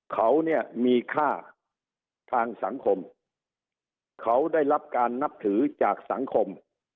เขาเนี่ยมีค่าทางสังคมเขาได้รับการนับถือจากสังคม